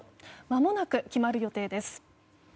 まもなく決まる予定です。